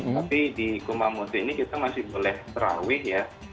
tapi di kumamoto ini kita masih boleh terawih ya